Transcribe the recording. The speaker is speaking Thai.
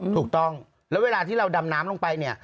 ถูกต้องแล้วเวลาที่เราดำน้ำลงไปเนี่ย